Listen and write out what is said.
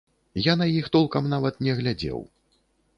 Я на іх толкам нават не глядзеў.